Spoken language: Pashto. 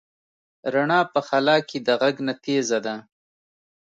رڼا په خلا کې د غږ نه تېزه ده.